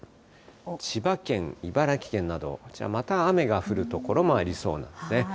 千葉県、茨城県など、こちら、また雨が降る所もありそうなんですね。